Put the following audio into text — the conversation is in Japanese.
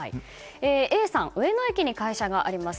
Ａさん、上野駅に会社があります。